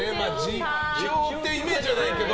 実況っていうイメージはないけど。